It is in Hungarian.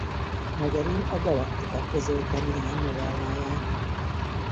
Magyarul a Galaktika közölte néhány novelláját.